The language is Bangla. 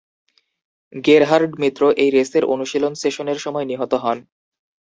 গেরহার্ড মিত্র এই রেসের অনুশীলন সেশনের সময় নিহত হন।